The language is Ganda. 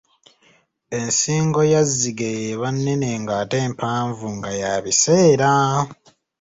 Ensingo ya zigeye eba nnene ngate mpanvu nga ya biseera.